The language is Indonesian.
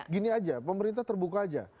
gini aja pemerintah terbuka aja